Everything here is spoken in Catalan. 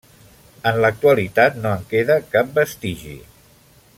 En l'actualitat no en queda cap vestigi.